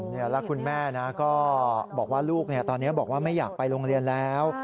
แล้วคุณแม่นะก็บอกว่าลูกตอนนี้บอกว่าไม่อยากไปโรงเรียนแล้ว